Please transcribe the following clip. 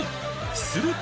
すると！